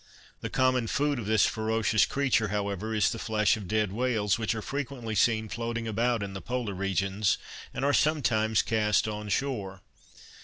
The common food of this ferocious creature, however, is the flesh of dead whales, which are frequently seen floating about in the polar regions, and are sometimes cast on shore.